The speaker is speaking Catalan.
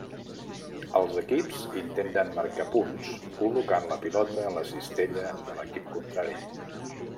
Els equips intenten marcar punts col·locant la pilota en la cistella de l'equip contrari.